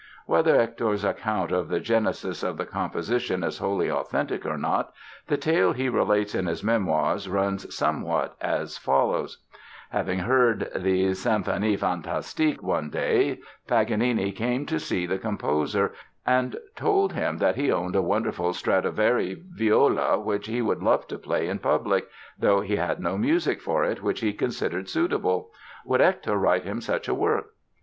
Whether Hector's account of the genesis of the composition is wholly authentic or not, the tale he relates in his Memoirs runs somewhat as follows: Having heard the "Symphonie Fantastique" one day Paganini came to see the composer and told him that he owned a wonderful Stradivari viola which he would love to play in public, though he had no music for it which he considered suitable. Would Hector write him such a work?